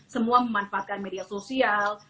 semua memanfaatkan media sosial